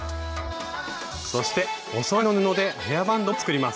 そしておそろいの布でヘアバンドも作ります。